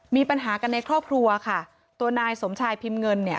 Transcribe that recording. มีปัญหากันในครอบครัวค่ะตัวนายสมชายพิมพ์เงินเนี่ย